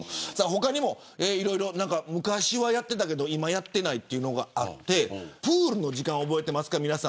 他にも、いろいろ昔はやってたけど今はやってないっていうのがあってプールの時間、覚えてますか。